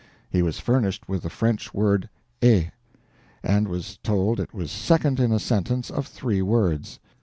He was furnished with the French word 'est', and was told it was second in a sentence of three words.